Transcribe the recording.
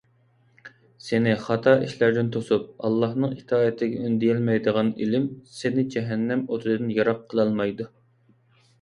سېنى خاتا ئىشلاردىن توسۇپ، ئاللاھنىڭ ئىتائىتىگە ئۈندىيەلمەيدىغان ئىلىم سېنى جەھەننەم ئوتىدىن يىراق قىلالمايدۇ.